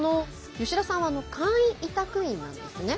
吉田さんは簡易委託員なんですね。